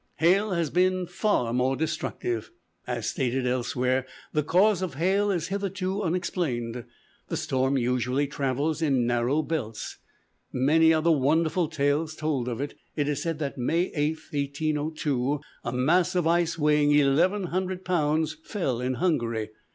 Hail has been far more destructive. As stated elsewhere, the cause of hail is hitherto unexplained. The storm usually travels in narrow belts. Many are the wonderful tales told of it. It is said that May 8, 1802, a mass of ice weighing eleven hundred pounds fell in Hungary.